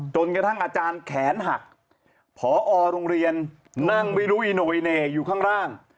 จนกระทั่งอาจารย์แขนหักพอโรงเรียนนั่งไม่รู้อีโนเวเน่อยู่ข้างล่าง